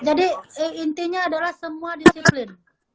jadi intinya adalah semua disiplin